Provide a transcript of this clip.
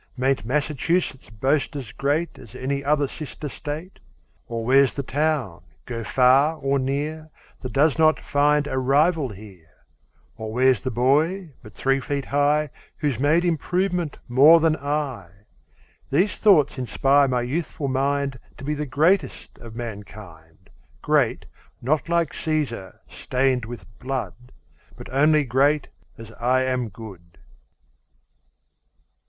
Mayn't Massachusetts boast as great As any other sister state? Or where's the town, go far or near, That does not find a rival here? Or where's the boy but three feet high Who's made improvement more than I? These thoughts inspire my youthful mind To be the greatest of mankind: Great, not like Cæsar, stained with blood, But only great as I am good.